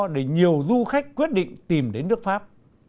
để nhiều du khách quyết định tìm đến nước pháp